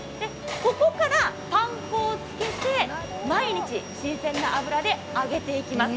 ここからパン粉をつけて、毎日新鮮な油で揚げていきます。